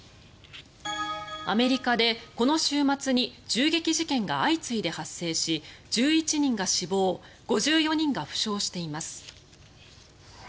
アメリカでこの週末に銃撃事件が相次いで発生し１１人が死亡５４人が負傷しています。